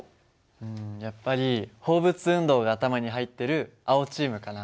うんやっぱり放物運動が頭に入ってる青チームかな。